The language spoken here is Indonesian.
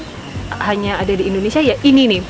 tidak hanya ada di indonesia ya ini nih